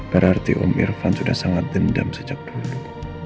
berarti om irfan sudah sangat dendam sejak dulu